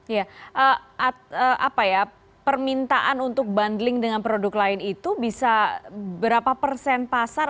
ya apa ya permintaan untuk bundling dengan produk lain itu bisa berapa persen pasar